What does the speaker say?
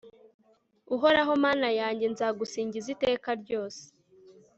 uhoraho mana yanjye, nzagusingiza iteka ryose